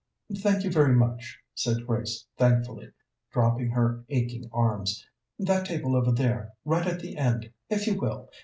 "Thank you very much," said Grace thankfully, dropping her aching arms. "That table over there, right at the end, if you will.